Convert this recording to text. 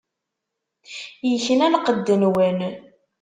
Ikna lqedd-nwen.